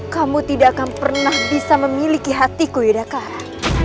kamu tidak akan pernah bisa memiliki hatiku yudakara